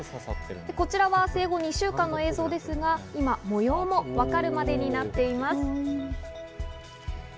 こちらは生後２週間の映像ですが、今、模様もわかるまでになっています。